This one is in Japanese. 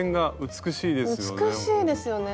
美しいですよね。